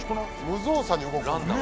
無造作に動くんで。